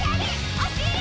おしり！